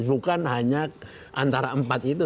bukan hanya antara empat itu